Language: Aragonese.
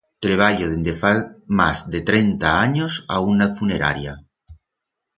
Treballo dende fa mas de trenta anyos a una funeraria.